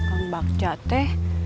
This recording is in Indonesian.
ih kambakca teh